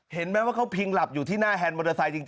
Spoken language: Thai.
เห็นไหมว่าเขาพิงหลับอยู่ที่หน้าแฮนดมอเตอร์ไซค์จริง